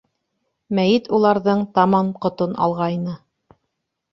Мәйет уларҙың тамам ҡотон алғайны.